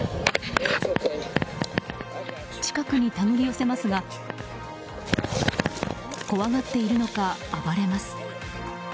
近くにたぐり寄せますが怖がっているのか暴れます。